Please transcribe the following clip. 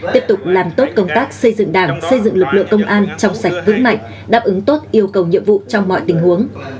tiếp tục làm tốt công tác xây dựng đảng xây dựng lực lượng công an trong sạch vững mạnh đáp ứng tốt yêu cầu nhiệm vụ trong mọi tình huống